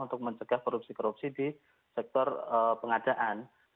untuk mencegah korupsi korupsi di sektor pengadaan